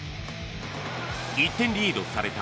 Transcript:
１点リードされた